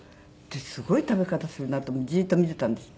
ですごい食べ方するなと思ってじっと見ていたんです。